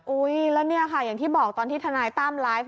อุ๊ยแล้วเนี่ยค่ะอย่างที่บอกตอนที่ทนายตั้มไลฟ์